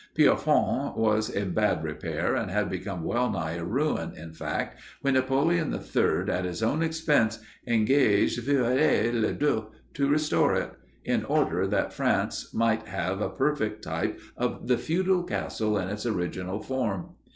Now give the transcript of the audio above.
Pierrefonds was in bad repair, had become well nigh a ruin, in fact, when Napoleon III at his own expense engaged Viollet le Duc to restore it, in order that France might have a perfect type of the feudal castle in its original form.